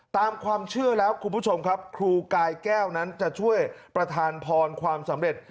ตามความเชื่อแล้วคุณผู้ชมครับครูกายแก้วนั้นจะช่วยประธานพรความสำเร็จ